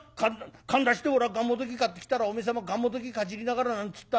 かんだしておらがんもどき買ってきたらおめえ様がんもどきかじりながら何つった？